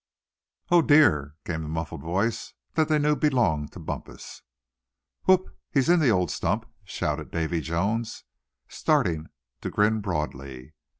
Oh! dear!" came the muffled voice that they knew belonged to Bumpus. "Whoop! he's in the old stump!" shouted Davy Jones, starting to grin broadly.